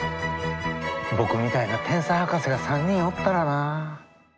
僕みたいな天才博士が３人おったらなぁ。